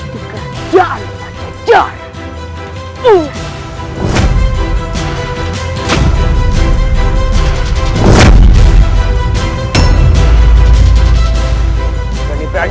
di kerjaan pajajaran